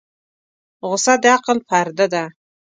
غوسه د عقل پرده ده.